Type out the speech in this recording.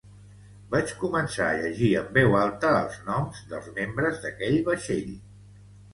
Vaig començar a llegir en veu alta els noms dels membres d’aquell vaixell.